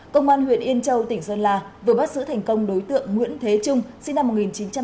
công an huyện yên châu tỉnh sơn la vừa bắt giữ thành công đối tượng nguyễn thế trung sinh năm một nghìn chín trăm tám mươi